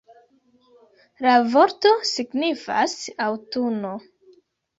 La vorto signifas „aŭtuno“.